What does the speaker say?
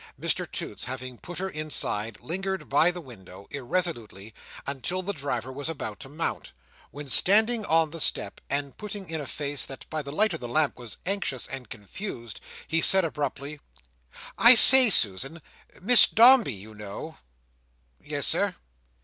Mr Toots having put her inside, lingered by the window, irresolutely, until the driver was about to mount; when, standing on the step, and putting in a face that by the light of the lamp was anxious and confused, he said abruptly: "I say, Susan! Miss Dombey, you know—" "Yes, Sir."